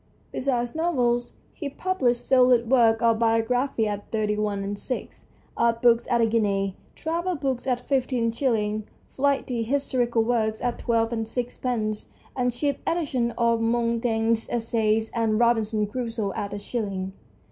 Besides novels he published solid works of biography at thirty one and six, art books at a guinea, travel books at fifteen shillings, flighty historical works at twelve and sixpence, and cheap editions of Montaigne's Essays and " Robinson Crusoe " at a shilling.